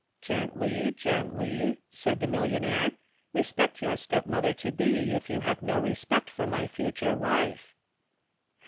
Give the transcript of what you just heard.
"Gently, gently," said the millionaire. "Respect your stepmother to be, if you have no respect for my future wife."